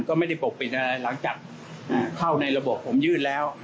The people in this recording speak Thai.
ก็ไม่ได้ปกปิดอะไรหลังจากเข้าในระบบผมยื่นแล้ว